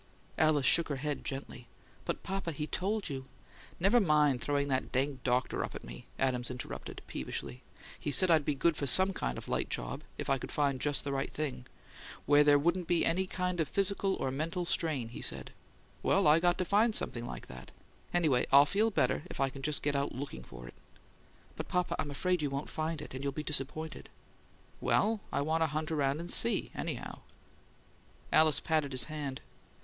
Alice shook her head gently. "But, papa, he told you " "Never mind throwing that dang doctor up at me!" Adams interrupted, peevishly. "He said I'd be good for SOME kind of light job if I could find just the right thing. 'Where there wouldn't be either any physical or mental strain,' he said. Well, I got to find something like that. Anyway, I'll feel better if I can just get out LOOKING for it." "But, papa, I'm afraid you won't find it, and you'll be disappointed." "Well, I want to hunt around and SEE, anyhow." Alice patted his hand.